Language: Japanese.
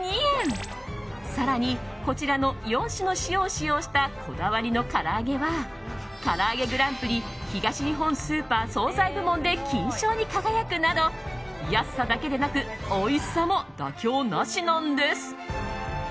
更にこちらの４種の塩を使用したこだわりの唐揚げはからあげグランプリ東日本スーパー惣菜部門で金賞に輝くなど安さだけでなくおいしさも妥協なしなんです。